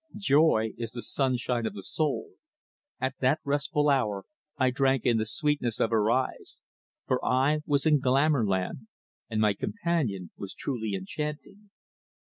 Joy is the sunshine of the soul. At that restful hour I drank in the sweetness of her eyes, for I was in glamour land, and my companion was truly enchanting.